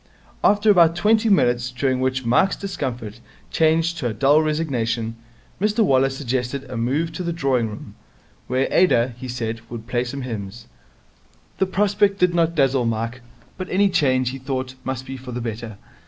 After about twenty minutes, during which Mike's discomfort changed to a dull resignation, Mr Waller suggested a move to the drawing room, where Ada, he said, would play some hymns. The prospect did not dazzle Mike, but any change, he thought, must be for the better.